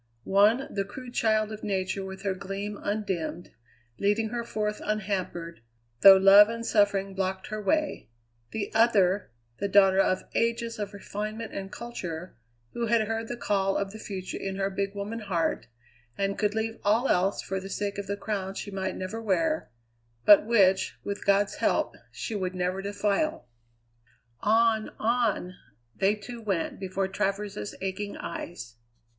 One, the crude child of nature with her gleam undimmed, leading her forth unhampered, though love and suffering blocked her way; the other, the daughter of ages of refinement and culture, who had heard the call of the future in her big woman heart and could leave all else for the sake of the crown she might never wear, but which, with God's help, she would never defile. On, on, they two went before Travers's aching eyes.